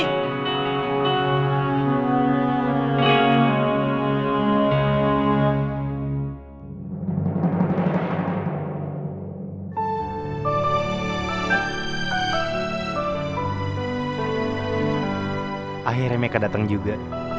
tapi meka datang juga